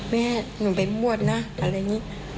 แม่หนูไปบวชนะอะไรอย่างนี้